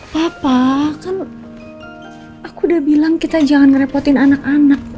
papa kan aku udah bilang kita jangan merepotin anak anak